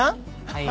はい。